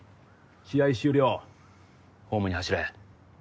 試合終了ホームに走れ